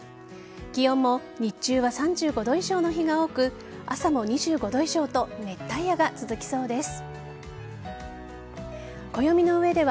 気温も日中は３５度以上の日が多く朝も２５度以上と熱帯夜が続きそうです。